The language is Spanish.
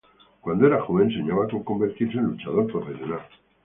Cuando era joven, soñaba con convertirse en luchador profesional.